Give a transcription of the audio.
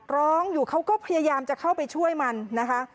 ร้องอยู่เขาก็พยายามจะเข้าไปช่วยมันนะคะ